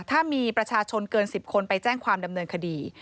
ถ้ามีประชาชนเกิน๑๐คนไปแจ้งความดำเนินคดี